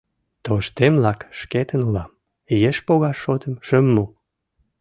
Тоштемлак шкетын улам: еш погаш шотым шым му.